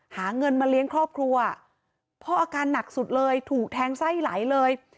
หาเงินมาเลี้ยงครอบครัวพ่ออาการหนักสุดเลยถูกแทงไส้ไหลเลย